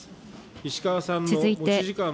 石川さんの持ち時間の。